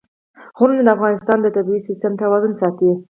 غرونه د افغانستان د طبعي سیسټم توازن ساتي.